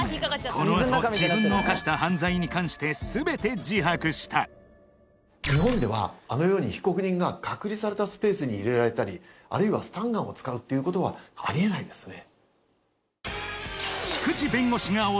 このあと自分の犯した犯罪に関して全て自白した日本ではあのように被告人が隔離されたスペースに入れられたりあるいはスタンガンを使うっていうことはありえないですね